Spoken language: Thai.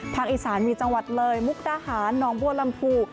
อีสานมีจังหวัดเลยมุกดาหารน้องบัวลำพู